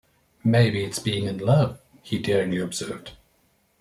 "Maybe it's being in love," he daringly observed.